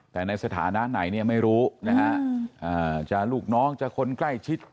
แต่ในสถานะไหนเนี่ยไม่รู้นะฮะจะลูกน้องจะคนใกล้ชิด